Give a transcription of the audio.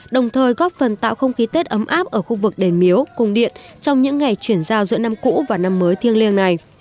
đồng thời góp phần tạo không khí tết ấm áp ở khu vực đền miếu cung điện trong những ngày chuyển giao giữa năm cũ và năm mới thiêng liêng này